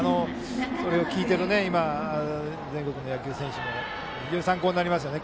それを聞いている全国の野球選手も非常に参考になりますね。